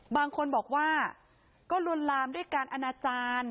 บางคนบอกว่าก็ลวนลามด้วยการอนาจารย์